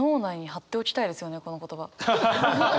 この言葉。